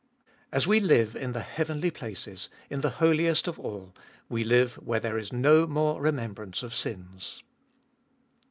As we live in the heavenly places, in the Holiest of All, we live where there is no more remembrance of sins.